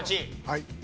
はい。